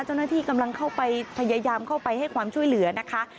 เจ้าหน้าที่กำลังเข้าไปพยายามเข้าไปให้ความช่วยเหลือนะคะ